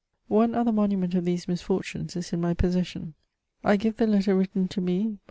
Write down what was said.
One other monument of these misfortunes is in my pos session. I give the lette> written to me by M.